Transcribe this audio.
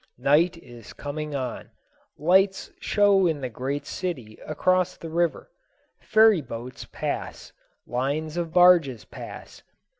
Night is coming on. Lights show in the great city across the river. Ferry boats pass. Lines of barges pass.